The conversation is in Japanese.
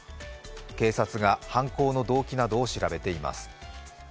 警察が犯行の動機などを調べています。